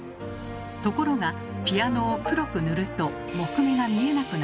ところがピアノを黒く塗ると木目が見えなくなります。